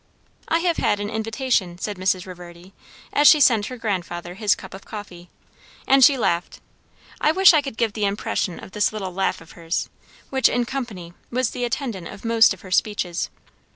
"I have had an invitation," said Mrs. Reverdy as she sent her grandfather his cup of coffee. And she laughed. I wish I could give the impression of this little laugh of hers, which, in company, was the attendant of most of her speeches.